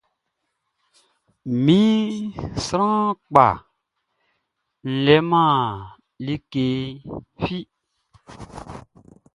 Mi sran kpa n leman like fi.